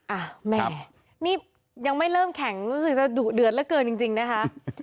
อ่ะแม่นี่ยังไม่เริ่มแข็งรู้สึกจะดุเดือดเหลือเกินจริงนะคะ